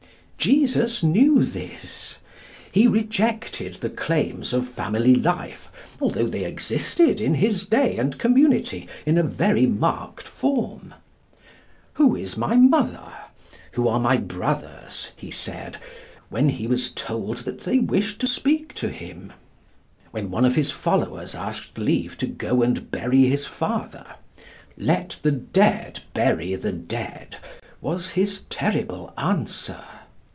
Jesus knew this. He rejected the claims of family life, although they existed in his day and community in a very marked form. 'Who is my mother? Who are my brothers?' he said, when he was told that they wished to speak to him. When one of his followers asked leave to go and bury his father, 'Let the dead bury the dead,' was his terrible answer.